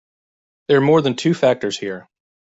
There are more than two factors here.